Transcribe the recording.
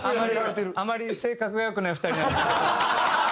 あまり性格が良くない２人なんですけど。